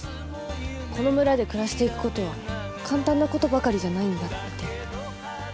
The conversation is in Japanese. この村で暮らしていくことは簡単なことばかりじゃないんだって。